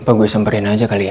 apa gue samperin aja kali ya